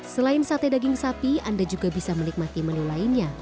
selain sate daging sapi anda juga bisa menikmati menu lainnya